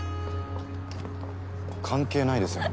関係ないですよね。